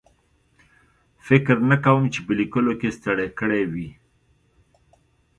فکر نه کوم چې په لیکلو کې ستړی کړی وي.